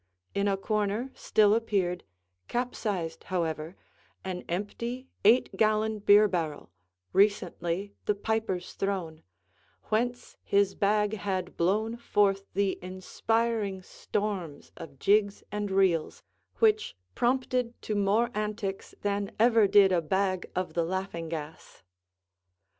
In a corner still appeared (capsized, however) an empty eight gallon beer barrel, recently the piper's throne, whence his bag had blown forth the inspiring storms of jigs and reels, which prompted to more antics than ever did a bag of the laughing gas.